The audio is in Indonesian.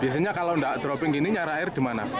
biasanya kalau tidak dropping gini nyarah air di mana